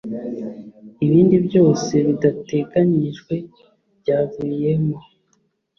Ibindi byose bidateganyijwe byavuyemo.